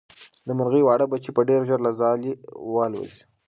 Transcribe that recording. د مرغۍ واړه بچي به ډېر ژر له ځالې والوځي.